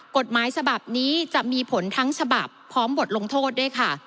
กฎหมายฉบับนี้จะมีผลทั้งฉบับพร้อมบทลงโทษด้วยค่ะ